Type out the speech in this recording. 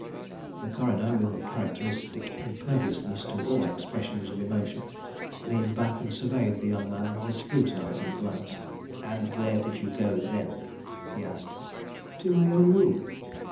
The coroner, with a characteristic imperviousness to all expressions of emotion, leaned back and surveyed the young man with a scrutinizing glance. "And where did you go then?" he asked. "To my own room."